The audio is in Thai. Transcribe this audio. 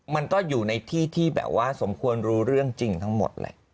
มันก็อยู่ในที่ที่แบบว่าสมควรรู้เรื่องจริงทั้งหมดแหละ